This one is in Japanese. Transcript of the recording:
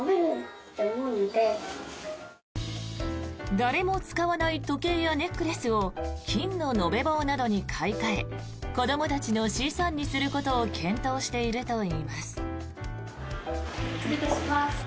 誰も使わない時計やネックレスを金の延べ棒などに買い替え子どもたちの資産にすることを検討しているといいます。